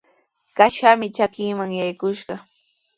Kashami trakiiman yakushqa.